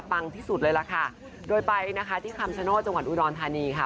ที่สุดเลยล่ะค่ะโดยไปนะคะที่คำชโนธจังหวัดอุดรธานีค่ะ